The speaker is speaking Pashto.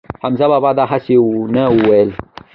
حمزه بابا دا هسې نه وييل